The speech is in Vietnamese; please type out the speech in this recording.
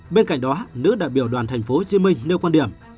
bên cạnh đó nữ đại biểu đoàn tp hcm nêu quan điểm